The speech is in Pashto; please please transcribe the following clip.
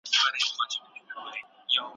لیکوال د ټولنې د نيمګړتیاوو په اړه رڼا اچوي.